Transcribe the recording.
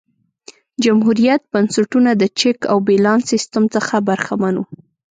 جمهوريت بنسټونه د چک او بیلانس سیستم څخه برخمن وو.